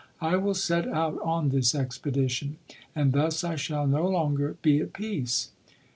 I will set out on this expedition, and thus I shall no longer be at peace."